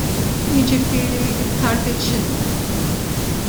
Jiġifieri t-target x'inhu?